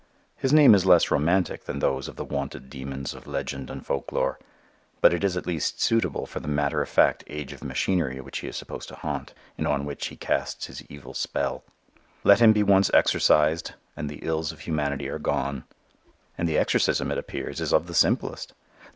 His name is less romantic than those of the wonted demons of legend and folklore. But it is at least suitable for the matter of fact age of machinery which he is supposed to haunt and on which he casts his evil spell. Let him be once exorcised and the ills of humanity are gone. And the exorcism, it appears, is of the simplest.